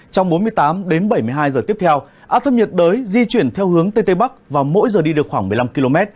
trong bốn mươi tám đến bảy mươi hai giờ tiếp theo áp thấp nhiệt đới di chuyển theo hướng tây tây bắc và mỗi giờ đi được khoảng một mươi năm km